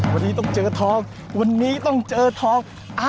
วันนี้ต้องเจอทองวันนี้ต้องเจอทอง